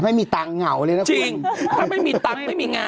ไม่มีแต่งงกฎิบัติธรรมไง